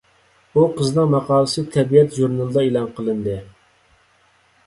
ئۇ قىزنىڭ ماقالىسى «تەبىئەت» ژۇرنىلىدا ئېلان قىلىندى.